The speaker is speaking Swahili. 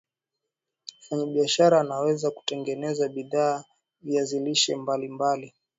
Mfanyabishara anaweza kutengeneza bidhaa viazi lishe mbali mbali